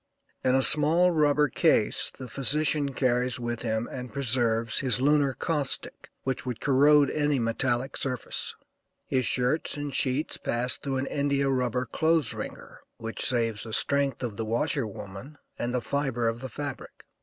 In a small rubber case the physician carries with him and preserves his lunar caustic, which would corrode any metallic surface. His shirts and sheets pass through an India rubber clothes wringer, which saves the strength of the washer woman and the fibre of the fabric.